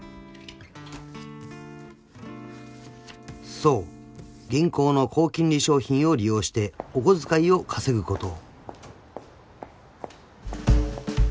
［そう銀行の高金利商品を利用してお小遣いを稼ぐことを］